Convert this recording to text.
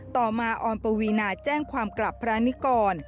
ต่อมาออนปวีนาแจ้งความกลับพระนิกร